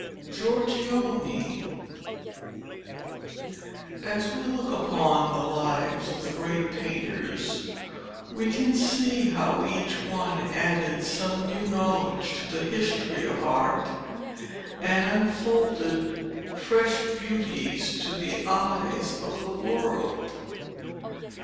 GIORGIONE As we look back upon the lives of the great painters we can see how each one added some new knowledge to the history of Art, and unfolded fresh beauties to the eyes of the world.